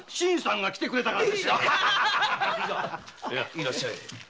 いらっしゃい。